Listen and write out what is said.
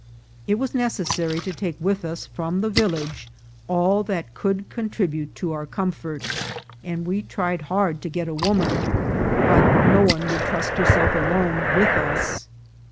It was necessary to take with us from the village all that could contribute to our comfort, and we tried hard to get a woman ; but no one would trust herself alone VOL. II.— O o 25 290 INCIDENTS OP TRAVEL. with us.